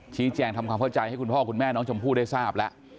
ชี้แจงทำความเข้าใจให้คุณพ่อคุณแม่น้องชมพู่ได้ทราบแล้ว